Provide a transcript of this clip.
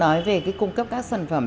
nói về cung cấp các sản phẩm